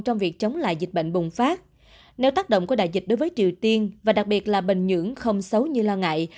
trong việc chống lại dịch bệnh bùng phát nếu tác động của đại dịch đối với triều tiên và đặc biệt là bình nhưỡng không xấu như lo ngại